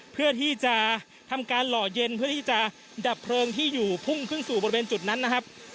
เพื่อที่จะทำการหล่อเย็นเพื่อที่จะดับเพลิงที่อยู่พุ่งขึ้นสู่บริเวณจุดนั้นนะครับ